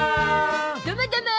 どもども。